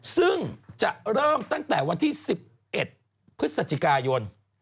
ซึ่งจะเริ่มตั้งแต่วันที่๑๑พฤศจิกายน